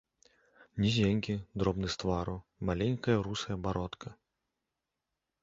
Нізенькі, дробны з твару, маленькая русая бародка.